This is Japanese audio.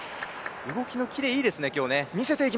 動きのキレいいですね。